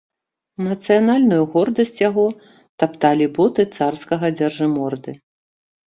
Нацыянальную гордасць яго тапталі боты царскага дзяржыморды.